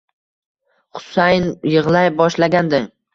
Xusayn yig'lay boshlagandi: